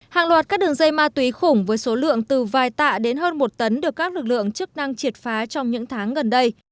hàng loạt các đường dây ma túy khủng với số lượng từ vài tạ đến hơn một tấn được các lực lượng chức năng triệt phá trong những tháng gần đây